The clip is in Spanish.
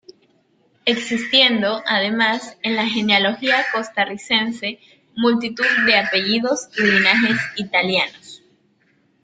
Existiendo —además— en la genealogía costarricense multitud de apellidos y linajes italianos.